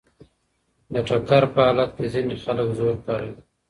د ټکر په حالت کي ځيني خلک زور کاروي.